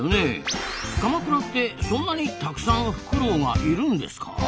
鎌倉ってそんなにたくさんフクロウがいるんですか？